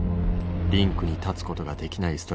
リンクに立つことができない